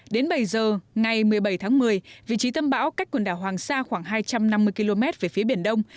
đến bảy giờ ngày một mươi bảy tháng một mươi vị trí tâm bão cách quần đảo hoàng sa khoảng hai trăm năm mươi km về phía biển đông